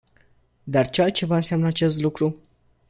Dar ce altceva înseamnă acest lucru?